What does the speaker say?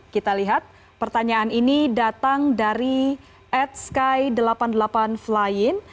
kita lihat pertanyaan ini datang dari atsky delapan puluh delapan flying